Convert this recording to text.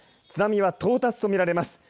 津波は到達と見られます。